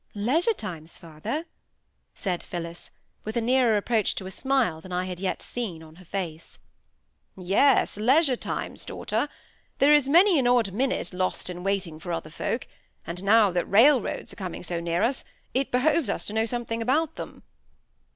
"Leisure times, father?" said Phillis, with a nearer approach to a smile than I had yet seen on her face. "Yes; leisure times, daughter. There is many an odd minute lost in waiting for other folk; and now that railroads are coming so near us, it behoves us to know something about them."